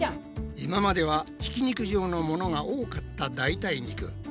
今まではひき肉状のものが多かった代替肉。